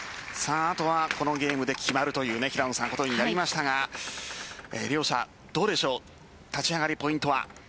あとは、このゲームで決まるということになりましたが両者どうでしょう立ち上がりポイントは。